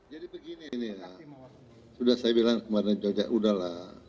jadi begini nih ya sudah saya bilang kemarin jogja udahlah